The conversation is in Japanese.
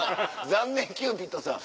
残念キューピッドさん。